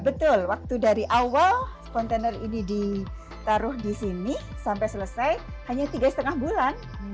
betul waktu dari awal kontainer ini ditaruh di sini sampai selesai hanya tiga lima bulan